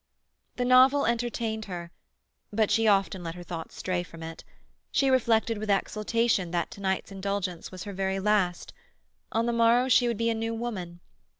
The novel entertained her, but she often let her thoughts stray from it; she reflected with exultation that to night's indulgence was her very last. On the morrow she would be a new woman.